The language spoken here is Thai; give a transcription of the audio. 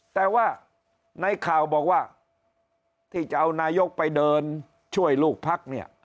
แต่ว่าในข่าวบอกว่าที่จะเอานายกไปเดินช่วยลูกพักเนี่ย